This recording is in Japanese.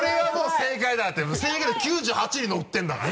正解率９８に乗ってるんだから。